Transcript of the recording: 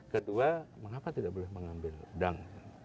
kedua mengapa tidak boleh mengambil dang